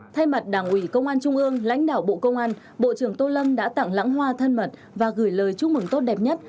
thay mặt đảng ủy công an trung ương lãnh đạo bộ công an bộ trưởng tô lâm đã tặng lãng hoa thân mật và gửi lời chúc mừng tốt đẹp nhất